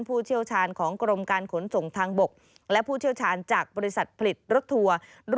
ผู้เชี่ยวชาญของกรมการขนส่งทางบกและผู้เชี่ยวชาญจากบริษัทผลิตรถทัวร์